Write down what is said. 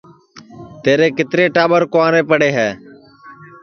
تیرے کِترے ٹاٻر کُنٚورے پڑے ہے